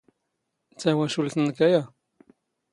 ⵜⴰⵡⴰⵛⵓⵍⵜ ⵏⵏⴽ ⴰⵢⴰ?